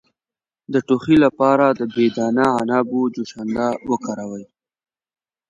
د ټوخي لپاره د بې دانه عنابو جوشانده وکاروئ